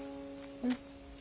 うん。